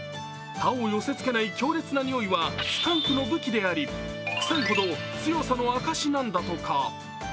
他を寄せ付けない強烈な臭いはスカンクの武器であり、くさいほど強さの証しなんだとか。